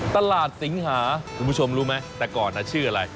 สิงหาคุณผู้ชมรู้ไหมแต่ก่อนชื่ออะไร